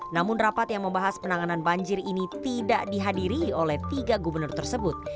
namun rapat yang membahas penanganan banjir ini tidak dihadiri oleh tiga gubernur tersebut